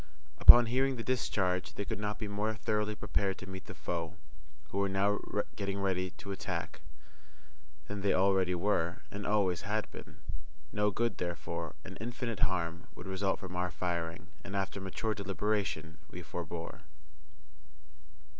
Upon hearing the discharge they could not be more thoroughly prepared to meet the foe, who were now getting ready to attack, than they already were, and always had been. No good, therefore, and infinite harm, would result from our firing, and after mature deliberation, we forbore.